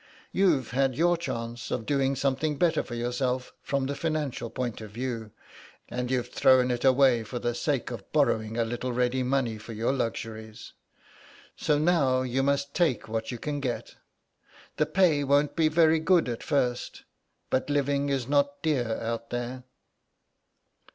You've had your chance of doing something better for yourself from the financial point of view, and you've thrown it away for the sake of borrowing a little ready money for your luxuries, so now you must take what you can get. The pay won't be very good at first, but living is not dear out there."